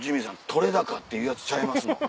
撮れ高っていうやつちゃいますのん。